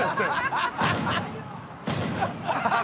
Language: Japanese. ハハハ